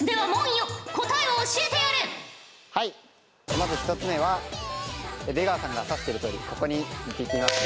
まず１つ目は出川さんが指してるとおりここに１匹いますね。